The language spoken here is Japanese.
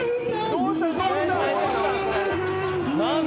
どうしたん？